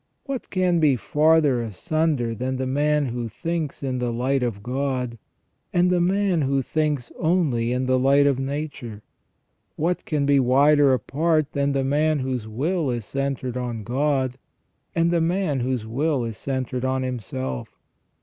What can be farther asunder than the man who thinks in the light of God and the man who thinks only in the light of nature? What can be wider apart than the man whose will is centred on God and the man whose will is centred on himself?